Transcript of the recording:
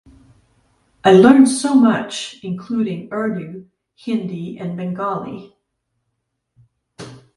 I learned so much, including Urdu, Hindi and Bengali.